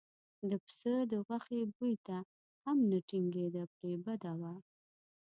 د پسه د غوښې بوی ته هم نه ټینګېده پرې یې بده وه.